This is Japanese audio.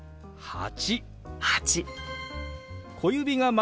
「８」。